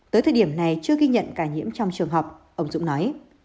tới thời điểm này chưa ghi nhận ca nhiễm trong trường học ông dũng nói